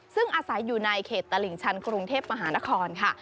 ซึ่งอาศัยอยู่ในเขตตลิ่งชันกรุงเทพมหานครค่ะ